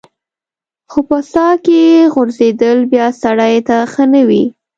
خو په څاه کې غورځېدل بیا سړی ته ښه نه وي.